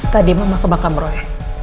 tadi mama ke bakam roy